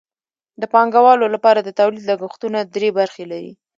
د پانګوالو لپاره د تولید لګښتونه درې برخې لري